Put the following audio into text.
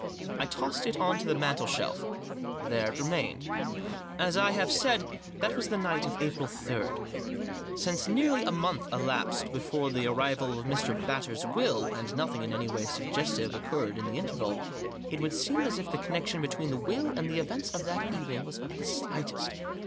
I tossed it on to the mantel shelf. There it remained, As I have said* that was the night of April 3. Since nearly a month elasped before the arrival of Mr, Batters' will, and nothing in any way suggestive occurred in the interval it would seem as if the connection between the will and the events of that evening was of the slightest.